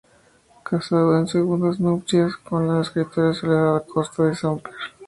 Casado en segundas nupcias con la escritora Soledad Acosta de Samper.